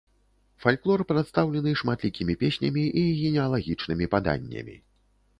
Фальклор прадстаўлены шматлікімі песнямі і генеалагічнымі паданнямі.